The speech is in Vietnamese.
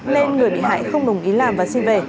nên người bị hại không đồng ý làm và xin về